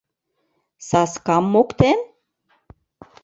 Саскам моктен?